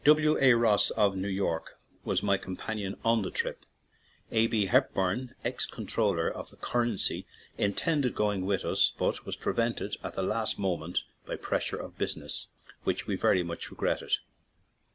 W. A. Ross, of New York, was my com panion on the trip; A. B. Hepburn, ex Comptroller of the Currency, intended go ing with us, but was prevented at the last moment by a pressure of business, which we very much regretted.